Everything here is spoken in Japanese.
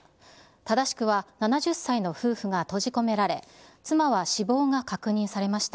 正しくは７０歳の夫婦が閉じ込められ、妻は死亡が確認されました。